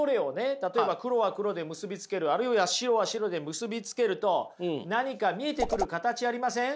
例えば黒は黒で結び付けるあるいは白は白で結び付けると何か見えてくる形ありません？